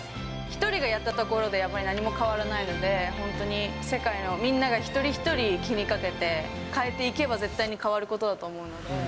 １人がやったところでやっぱり、何も変わらないので、本当に、世界のみんなが一人一人気にかけて変えていけば、絶対に変わることだと思うので。